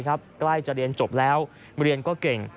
ใกล้จะเรียนจบแล้วเรียนก็เก่ง